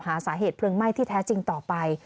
หาสาเหตุเพลิงไหม้ที่แท้จริงต่อไป